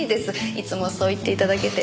いつもそう言って頂けて。